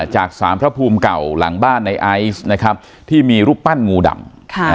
จากสารพระภูมิเก่าหลังบ้านในไอซ์นะครับที่มีรูปปั้นงูดำ